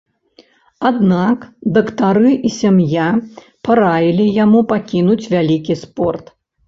Аднак дактары і сям'я параілі яму пакінуць вялікі спорт.